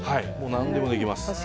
何でもできます。